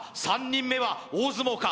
３人目は大相撲か？